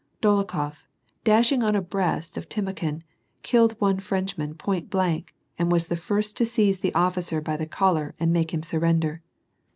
Dolokhof, dashing on abreast of Timokhin, killed one French man i)oint blank, and was the first to seize the officer by the collar and make his surrender.